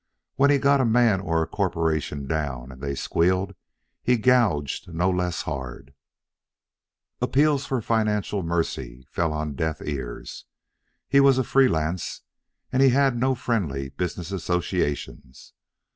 When he got a man or a corporation down and they squealed, he gouged no less hard. Appeals for financial mercy fell on deaf ears. He was a free lance, and had no friendly business associations.